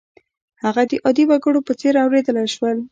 هغه د عادي وګړو په څېر اورېدلای شول.